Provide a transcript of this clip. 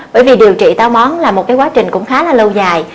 bởi vì điều trị táo món là một cái quá trình cũng khá là lâu dài